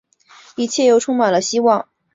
一切又充满了希望